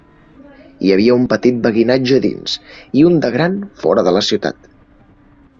Hi havia un petit beguinatge dins i un de gran fora de la ciutat.